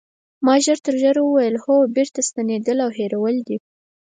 ما ژر درته وویل: هو بېرته ستنېدل او هېرول دي.